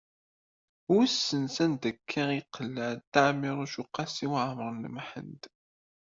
Wissen sanda akka i yeqleɛ Dda Ɛmiiruc u Qasi Waɛmer n Ḥmed.